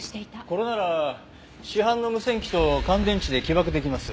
これなら市販の無線機と乾電池で起爆出来ます。